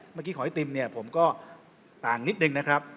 เมื่อกี้ของไอ้ติมผมก็ต่างนิดหนึ่งนะครับ